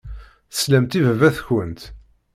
Teslamt i baba-tkent.